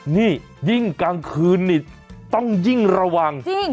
นี่ยิ่งกลางคืนนี่ต้องยิ่งระวัง